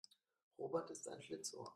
Robert ist ein Schlitzohr.